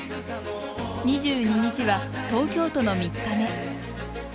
２２日は、東京都の３日目。